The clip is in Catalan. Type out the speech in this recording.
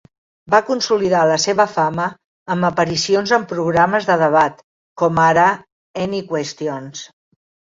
Va consolidar la seva fama amb aparicions en programes de debat com ara Any Questions?